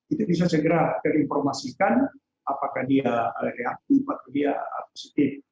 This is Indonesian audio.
itu bisa segera terinformasikan apakah dia reaktif atau dia positif